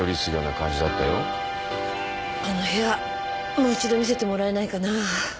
もう一度見せてもらえないかな。